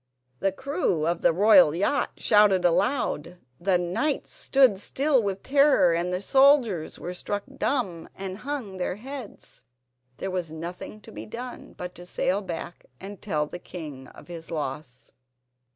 The crew of the royal yacht shouted aloud, the knights stood still with terror, the soldiers were struck dumb and hung their heads. There was nothing to be done but to sail back and tell the king of his loss.